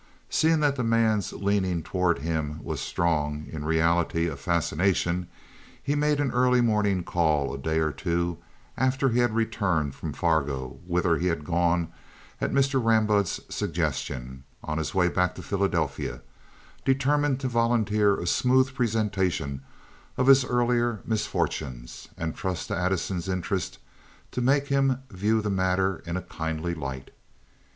Seeing that the man's leaning toward him was strong, in reality a fascination, he made an early morning call a day or two after he had returned from Fargo, whither he had gone at Mr. Rambaud's suggestion, on his way back to Philadelphia, determined to volunteer a smooth presentation of his earlier misfortunes, and trust to Addison's interest to make him view the matter in a kindly light.